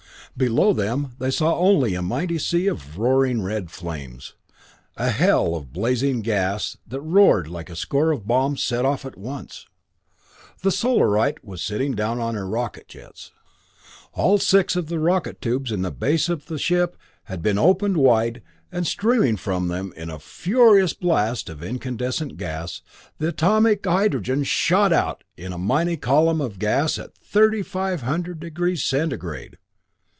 Below them they saw only a mighty sea of roaring red flames a hell of blazing gas that roared like a score of bombs set off at once. The Solarite was sitting down on her rocket jets! All six of the rocket tubes in the base of the ship had been opened wide, and streaming from them in a furious blast of incandescent gas, the atomic hydrogen shot out in a mighty column of gas at 3500 degrees centigrade.